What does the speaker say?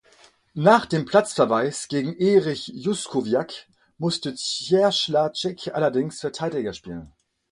Nach dem Platzverweis gegen Erich Juskowiak musste Cieslarczyk allerdings Verteidiger spielen.